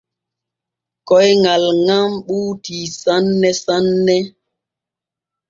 Koyŋal ŋal ɓuutii sanne sanne.